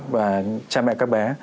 và cha mẹ các bé